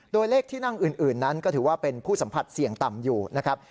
โดยเลขที่นั่งอื่นนั้นก็ถือว่าเป็นผู้สัมผัสเสี่ยงต่ำอยู่นะครับ